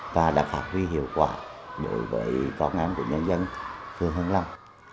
và đặc hạ quy hiệu quả đối với con em của nhân dân thương hương lắm